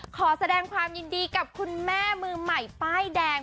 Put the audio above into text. ขอแสดงความยินดีกับคุณแม่มือใหม่ป้ายแดง